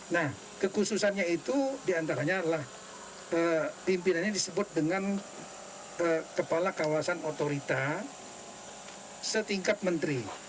nah kekhususannya itu diantaranya adalah pimpinannya disebut dengan kepala kawasan otorita setingkat menteri